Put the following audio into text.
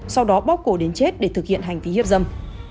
sau đó bóc cổ đến chết để thực hiện hành vi hiếp dâm